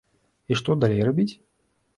І што далей рабіць?